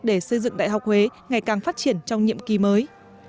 để xây dựng đại học huế ngày càng phát triển trong nhiệm kỳ mới